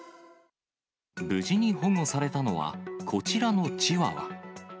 無事に保護されたのは、こちらのチワワ。